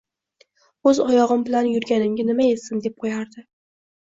“O‘z oyog‘im bilan yurganimga nima yetsin”, deb qo‘yardi